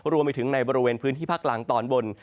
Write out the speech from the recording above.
รวมไปถึงในบริเวณพื้นที่ภาคกลางตอนบน